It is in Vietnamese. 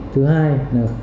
thứ hai là khi nào